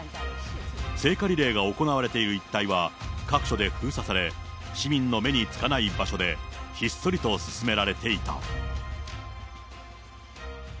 聖火リレーが行われている一帯は各所で封鎖され、市民の目につかない場所で、ひっそりと進められていた。